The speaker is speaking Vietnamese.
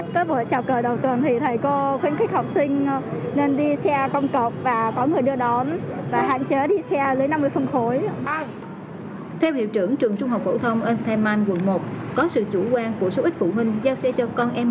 cho một số học sinh vào lớp đúng giờ